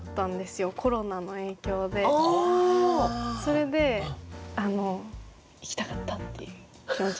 それで行きたかったっていう気持ち。